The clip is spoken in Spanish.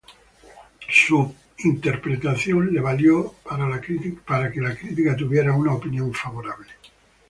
Su interpretación le valió para que la crítica tuviera una opinión favorable.